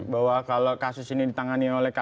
bahwa kalau kasus ini ditangani oleh kpk